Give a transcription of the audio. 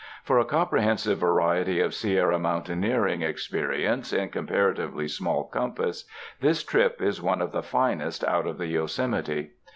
For a compre hensive variety of Sierra mountaineering experi ence in comparatively small compass, this trip is one of the finest out of the Yosemite.